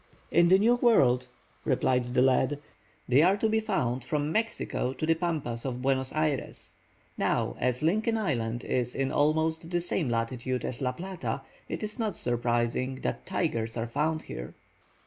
"In the New World," replied the lad, "they are to be found from Mexico to the pampas of Buenos Ayres. Now, as Lincoln Island is in almost the same latitude as La Plata, it is not surprising that tigers are found here."